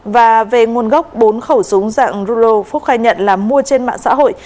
và về nguồn gốc bốn khẩu súng dạng rulo phúc khai nhận là mua trên mạng xã hội